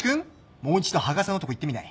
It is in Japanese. もう一度羽賀さんのとこ行ってみない？